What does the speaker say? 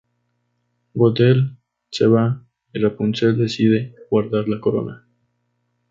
Gothel se va y Rapunzel decide guardar la corona.